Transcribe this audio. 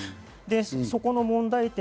そこの問題点